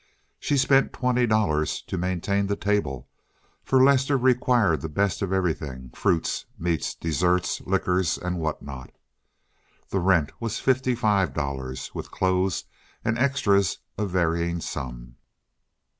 She spent twenty dollars to maintain the table, for Lester required the best of everything—fruits, meats, desserts, liquors, and what not. The rent was fifty five dollars, with clothes and extras a varying sum.